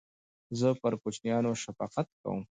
زه پر کوچنیانو شفقت کوم.